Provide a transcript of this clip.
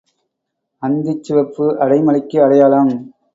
அந்திச் சிவப்பு அடை மழைக்கு அடையாளம்.